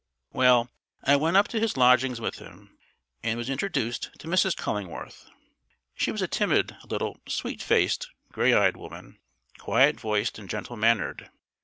Well, I went up to his lodgings with him, and was introduced to Mrs. Cullingworth. She was a timid, little, sweet faced, grey eyed woman, quiet voiced and gentle mannered.